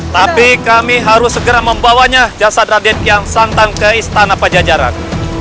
tapi kami harus segera membawanya jasad raden yang santan ke istana pajajaran